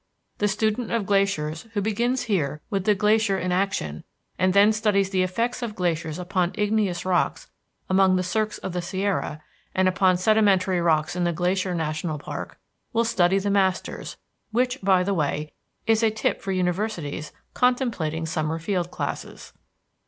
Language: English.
The student of glaciers who begins here with the glacier in action, and then studies the effects of glaciers upon igneous rocks among the cirques of the Sierra, and upon sedimentary rocks in the Glacier National Park, will study the masters; which, by the way, is a tip for universities contemplating summer field classes.